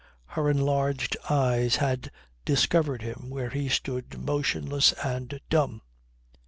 Her enlarged eyes had discovered him where he stood motionless and dumb.